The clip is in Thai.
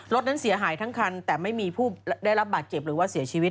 รถนั้นเสียหายทั้งคันแต่ไม่มีผู้ได้รับบาดเจ็บหรือว่าเสียชีวิต